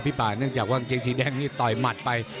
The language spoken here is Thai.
ป่าเนื่องจากว่ากางเกงสีแดงนี่ต่อยหมัดไป